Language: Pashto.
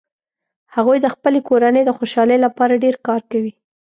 هغوي د خپلې کورنۍ د خوشحالۍ لپاره ډیر کار کوي